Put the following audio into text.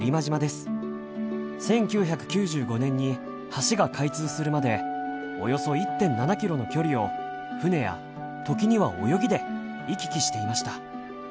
１９９５年に橋が開通するまでおよそ１．７キロの距離を船や時には泳ぎで行き来していました。